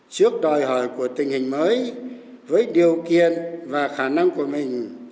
trước đòi hỏi của tình hình mới với điều kiện và khả năng của mình